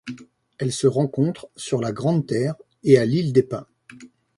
Elle se rencontre sur la Grande Terre et à l'île des Pins.